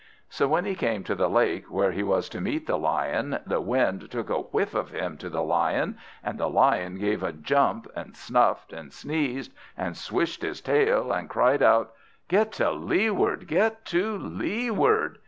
So when he came to the lake where he was to meet the Lion, the wind took a whiff of him to the Lion, and the Lion gave a jump, and snuffed, and sneezed, and swished his tail, and cried out, "Get to leeward, get to leeward!